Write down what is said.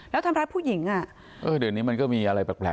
แล้วทำร้ายผู้หญิงอ่ะเออเดี๋ยวนี้มันก็มีอะไรแปลก